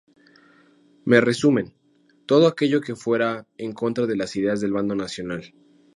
Me resumen, todo aquello que fuera en contra de las ideas del bando nacional.